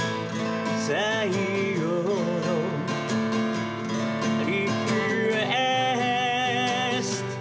「最後のリクエスト」